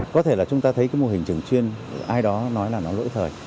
có thể là chúng ta thấy cái mô hình trường chuyên ai đó nói là nó lỗi thời